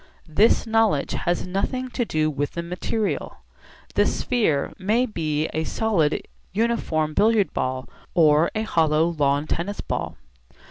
This knowledge has nothing to do with the material; the sphere may be a solid uniform billiard ball or a hollow lawn tennis ball.